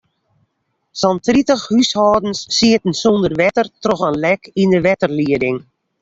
Sa'n tritich húshâldens sieten sûnder wetter troch in lek yn de wetterlieding.